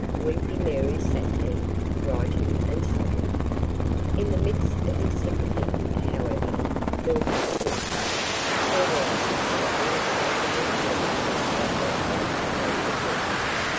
Weepy Mary sat there, writing and sobbing. In the midst of his sympathy, however, Milton sniffed. There was an unmistakable odor of tobacco smoke about the room.